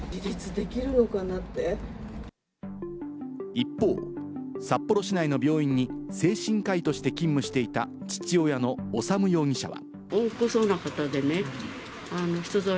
一方、札幌市内の病院に精神科医として勤務していた父親の修容疑者は。